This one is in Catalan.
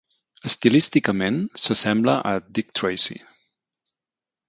Estilísticament, s'assembla a Dick Tracy.